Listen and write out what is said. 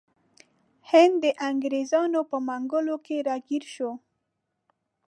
هند د انګریزانو په منګولو کې راګیر شو.